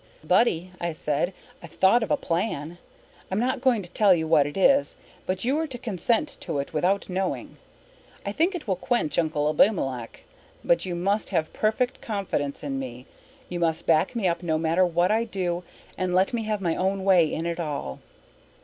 "Buddy," I said, "I've thought of a plan. I'm not going to tell you what it is, but you are to consent to it without knowing. I think it will quench Uncle Abimelech, but you must have perfect confidence in me. You must back me up no matter what I do and let me have my own way in it all."